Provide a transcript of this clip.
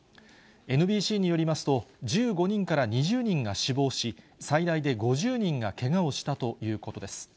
ＮＢＣによりますと、１５人から２０人が死亡し、最大で５０人がけがをしたということです。